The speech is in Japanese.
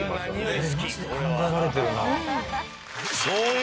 マジで考えられてるな。